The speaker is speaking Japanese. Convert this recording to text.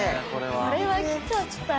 これは来ちゃったよ。